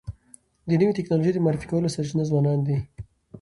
د نوي ټکنالوژۍ د معرفي کولو سرچینه ځوانان دي.